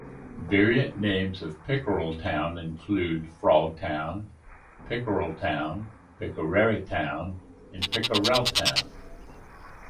Variant names of Pickrelltown include "Frogtown", "Pickereltown", "Pickeretown", and "Pickreltown".